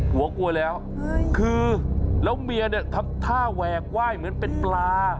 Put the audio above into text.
กลัวแล้วคือแล้วเมียเนี่ยทำท่าแหวกไหว้เหมือนเป็นปลา